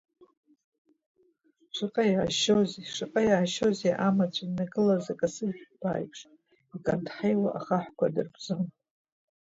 Шаҟа иаашьозеи, шаҟа иаашьозеи амаҵә иннакылаз акасыжә баа аиԥш иканҭҳаиуа ахаҳәқәа дырбзон!